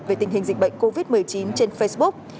về tình hình dịch bệnh covid một mươi chín trên facebook